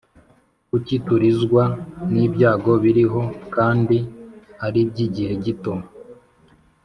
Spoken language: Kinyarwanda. Kuki turizwa nibyago biriho kndi aribyigihe gito